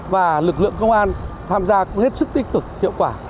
và lực lượng công an tham gia cũng hết sức tích cực hiệu quả